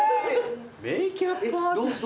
メーキャップアーティスト？